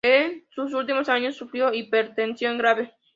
En sus últimos años sufrió hipertensión grave.